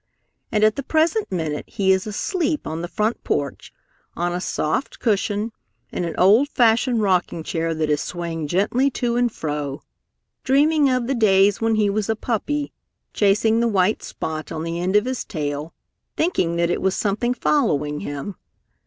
And at the present minute he is asleep on the front porch on a soft cushion in an old fashioned rocking chair that is swaying gently to and fro, dreaming of the days when he was a puppy chasing the white spot on the end of his tail, thinking it was something following him.